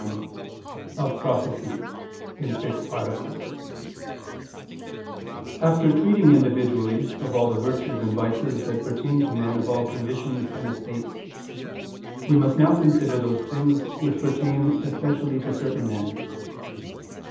171 182) _______________________ QUESTION 171 OF PROPHECY (In Six Articles) After treating individually of all the virtues and vices that pertain to men of all conditions and estates, we must now consider those things which pertain especially to certain men.